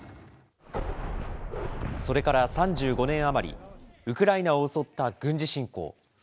それから３５年余り、ウクライナを襲った軍事侵攻。